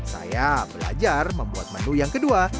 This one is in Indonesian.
saya belajar membuat menu yang kedua